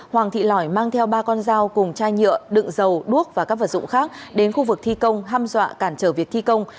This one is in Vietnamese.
hoàng thị lỏi mang theo ba con dao cùng chai nhựa đựng dầu đuốc và các vật dụng khác đến khu vực thi công ham dọa cản trở việc thi công